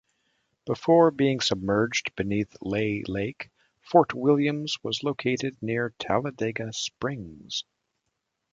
Before being submerged beneath Lay Lake, Fort Williams was located near Talladega Springs.